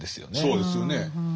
そうですよね。